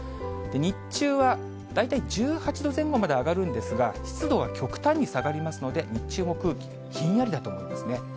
日中は大体１８前後まで上がるんですが、湿度は極端に下がりますので、日中も空気ひんやりだと思いますね。